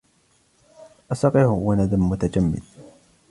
الصقيع هو ندى متجمّد.